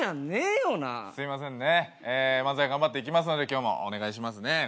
漫才頑張っていきますので今日もお願いしますね。